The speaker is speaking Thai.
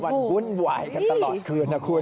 วางุ้นไหวกันตลอดคืนนะคุณ